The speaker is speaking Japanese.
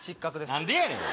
何でやねん！